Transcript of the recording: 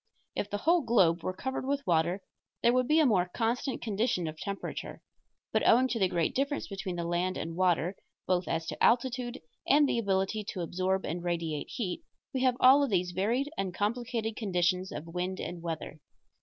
If the whole globe were covered with water there would be a more constant condition of temperature; but owing to the great difference between the land and water, both as to altitude and the ability to absorb and radiate heat, we have all of these varied and complicated conditions of wind and weather.